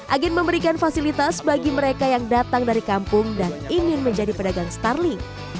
agen memberikan fasilitas bagi mereka yang datang dari kampung dan ingin menjadi pedagang starling